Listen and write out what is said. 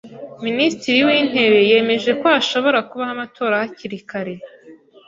Minisitiri w’intebe yemeje ko hashobora kubaho amatora hakiri kare.